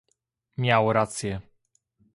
Miał rację